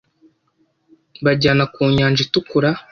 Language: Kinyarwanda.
bajyana Ku Nyanja itukura